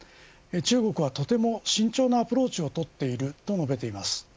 中国はとても慎重なアプローチをとっていると述べています。